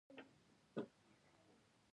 ولایتونه د ځمکې د جوړښت یوه نښه ده.